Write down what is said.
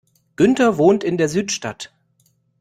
Günther wohnt in der Südstadt.